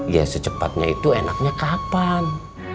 ya secepatnya itu enaknya kapan